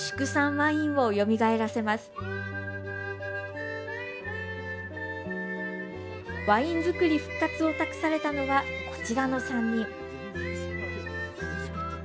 ワイン造り復活を託されたのはこちらの３人。